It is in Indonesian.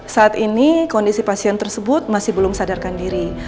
saat ini kondisi pasien tersebut masih belum sadarkan diri